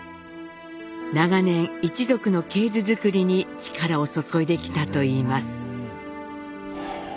長年一族の系図作りに力を注いできたといいます。